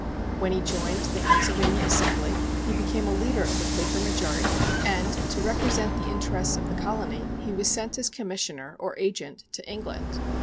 When he joined the Pennsylvania Assembly, he became a leader of the Quaker majority; and, to represent the interests of the Colony, he was sent as commissioner, or agent, to England.